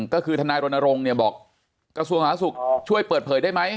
ก็คือทนายรณรงค์เนี่ยบอกกระทรวงสาธารณสุขช่วยเปิดเผยได้ไหม